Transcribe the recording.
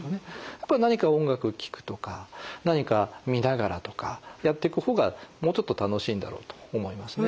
やっぱり何か音楽聴くとか何か見ながらとかやっていく方がもうちょっと楽しいんだろうと思いますね。